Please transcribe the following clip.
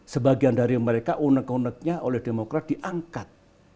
sebagian dari mereka unek uneknya oleh demokrat diangkat